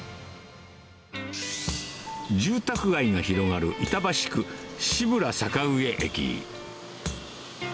住宅街が広がる板橋区志村